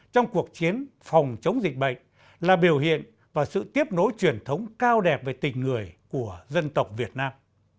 trong cuộc chiến phòng chống dịch bệnh là biểu hiện và sự tiếp nối truyền thống cao đẹp về tình người của dân tộc việt nam